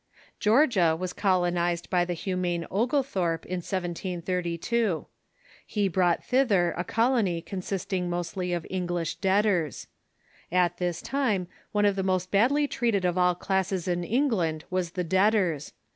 Georgia was colonized by the humane Oglethorpe in 1732. He brought thither a colony consisting mostly of Eng lish debtors. At this time one of the most badly treated of all classes in England was the debtors.